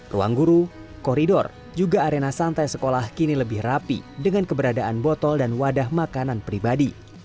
ruang guru koridor juga arena santai sekolah kini lebih rapi dengan keberadaan botol dan wadah makanan pribadi